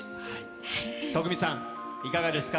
徳光さん、いかがですか。